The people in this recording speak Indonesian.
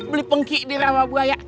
beli pengki di rawa buaya